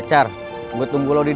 tapi gue belum pernah lihat